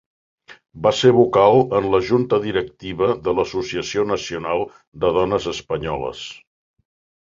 Va ser vocal en la junta directiva de l'Associació Nacional de Dones Espanyoles.